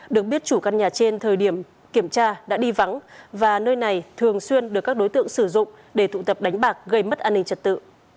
được biết chủ căn nhà trên thời điểm kiểm tra đã đi vắng và nơi này thường xuyên được các đối tượng sử dụng để tụ tập đánh bạc gây mất an ninh trật tự